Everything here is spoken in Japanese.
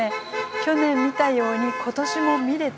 去年見たように今年も見れている。